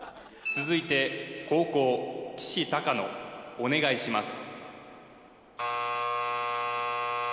続いて後攻きしたかのお願いします